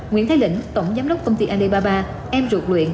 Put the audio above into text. nguyễn thái luyện tổng giám đốc công ty alibaba em ruột luyện